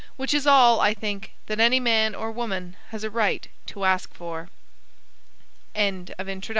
Which is all, I think, that any man or woman has a right to ask for. WILLIAM F.